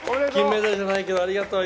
金メダルじゃないけれども、ありがとう。